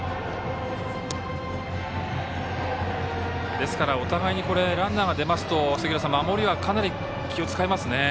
ですからお互いにランナーが出ますと守りは、かなり気を使いますね。